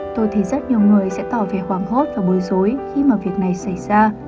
tôi thấy rất nhiều người sẽ tỏ về hoảng hốt và bối rối khi mà việc này xảy ra